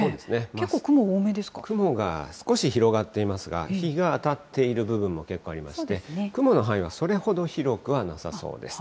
結構、雲が少し広がっていますが、日が当たっている部分も結構ありまして、雲の範囲はそれほど広くはなさそうです。